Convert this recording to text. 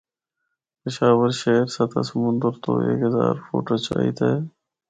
پشاور شہر سطح سمندر تو ہک ہزار فٹ اُچائی تے ہے۔